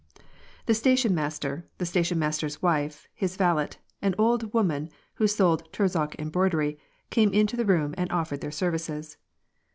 The station master, the station master's wife, his valet, an old woman who sold Torzhok embroidery, came into the room and offered their services.